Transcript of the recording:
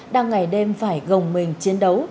đang ngày đêm phải gồng mình chiến đấu